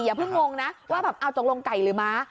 อย่าพึ่งงงนะว่าเอาตรงลงไก่หรือม้า